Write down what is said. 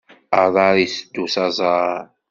Aḍar yetteddu s aẓar.